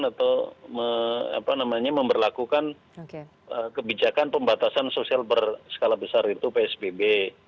atau memperlakukan kebijakan pembatasan sosial berskala besar itu psbb